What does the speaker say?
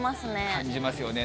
感じますよね。